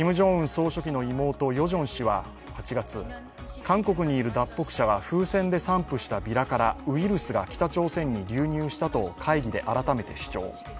総書記の妹、ヨジョン氏は８月、韓国にいる脱北者が風船で散布したビラからウイルスが北朝鮮に流入したと会議で改めて主張。